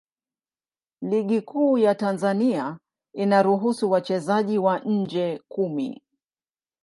Ligi Kuu ya Tanzania inaruhusu wachezaji wa nje kumi.